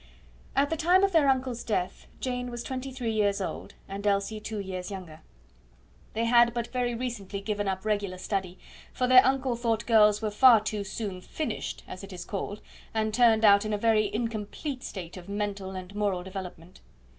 At the time of their uncle's death, Jane was twenty three years old, and Elsie two years younger. They had but very recently given up regular study, for their uncle thought girls were far too soon "finished", as it is called, and turned out in a very incomplete state of mental and moral development.